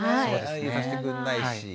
入れさせてくんないし。